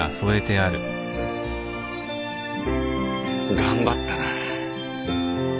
頑張ったな。